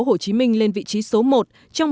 hồ chí minh lên vị trí số một trong